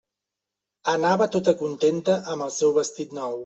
Anava tota contenta amb el seu vestit nou.